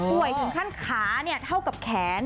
ถึงขั้นขาเท่ากับแขน